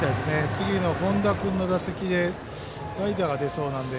次の権田君の打席で代打が出そうなので。